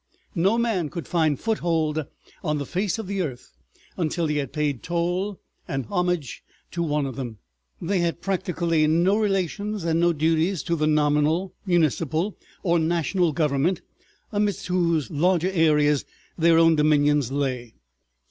No man could find foothold on the face of the earth until he had paid toll and homage to one of them. They had practically no relations and no duties to the nominal, municipal, or national Government amidst whose larger areas their own dominions lay.